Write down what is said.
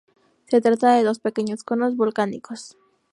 Se trata de dos pequeños conos volcánicos.